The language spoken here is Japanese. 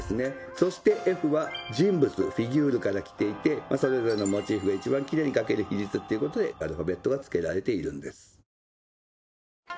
そして「Ｆ」は人物「Ｆｉｇｕｒｅ」から来ていてそれぞれのモチーフがいちばんきれいに描ける比率っていうことでアルファベットがつけられているんです。